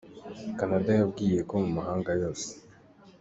Canada yabwiye ko mu mahanga yose